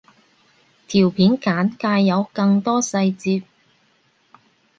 條片簡介有更多細節